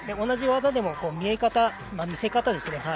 同じ技でも見え方、見せ方ですね